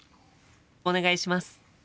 お願いします。